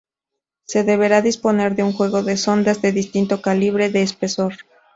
Se deberá disponer de un juego de sondas de distinto calibre de espesor.